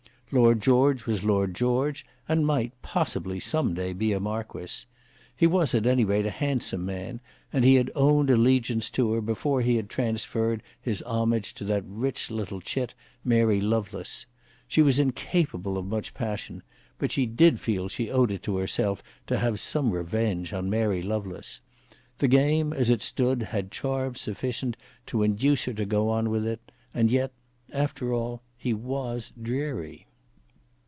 Lord George was Lord George, and might, possibly, some day be a marquis. He was at any rate a handsome man, and he had owned allegiance to her before he had transferred his homage to that rich little chit Mary Lovelace. She was incapable of much passion, but she did feel that she owed it to herself to have some revenge on Mary Lovelace. The game as it stood had charms sufficient to induce her to go on with it; and yet, after all, he was dreary.